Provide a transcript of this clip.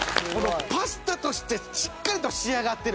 パスタとしてしっかりと仕上がってる。